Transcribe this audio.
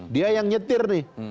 dia yang nyetir nih